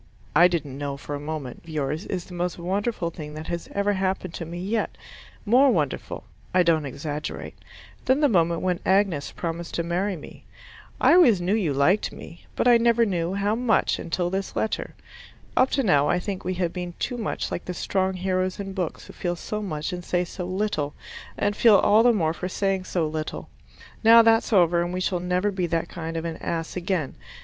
I didn't know for a moment. But this letter of yours is the most wonderful thing that has ever happened to me yet more wonderful (I don't exaggerate) than the moment when Agnes promised to marry me. I always knew you liked me, but I never knew how much until this letter. Up to now I think we have been too much like the strong heroes in books who feel so much and say so little, and feel all the more for saying so little. Now that's over and we shall never be that kind of an ass again.